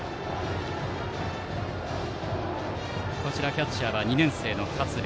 キャッチャーは２年生の勝部。